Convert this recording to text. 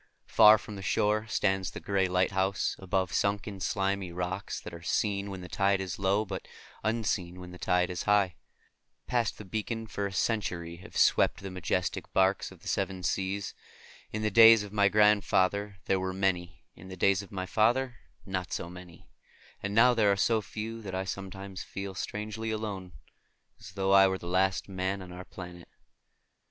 Far from the shore stands the gray lighthouse, above sunken slimy rocks that are seen when the tide is low, but unseen when the tide is high. Past that beacon for a century have swept the majestic barques of the seven seas. In the days of my grandfather there were many; in the days of my father not so many; and now there are so few that I sometimes feel strangely alone, as though I were the last man on our planet.